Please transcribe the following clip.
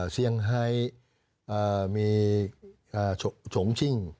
เซียงไฮมีโฉมชิง